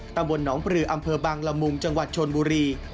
ตำบลหนองปลืออำเภอบังละมุงจังหวัดชนบุรี